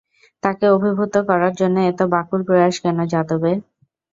তাকে অভিভূত করার জন্য এত ব্যাকুল প্রয়াস কেন যাদবের?